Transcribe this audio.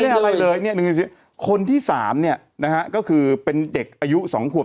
ไม่ได้อะไรเลยเนี่ยคนที่๓เนี่ยนะฮะก็คือเป็นเด็กอายุ๒ขวบ